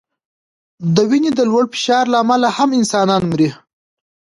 د وینې د لوړ فشار له امله هم انسانان مري.